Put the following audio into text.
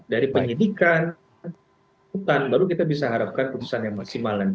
dari penyidikan bukan baru kita bisa harapkan putusan yang maksimal nanti